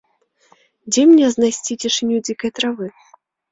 Дзе мне знайсці цішыню дзікай травы?